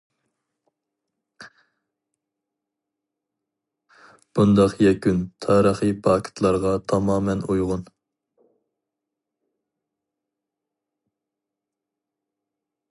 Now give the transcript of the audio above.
بۇنداق يەكۈن تارىخىي پاكىتلارغا تامامەن ئۇيغۇن.